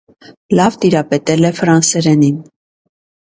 Լավ տիրապետել է ֆրանսերենին։